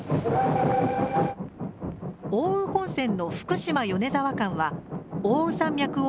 奥羽本線の福島米沢間は奥羽山脈を横断。